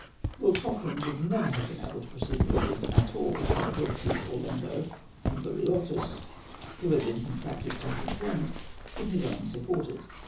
Lord Cochrane would never have been able to proceed to Greece at all, had the Greek deputies, Orlando and Luriottis, who had contracted for his employment, been his only supporters.